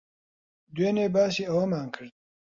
دوێنێ باسی ئەوەمان کرد.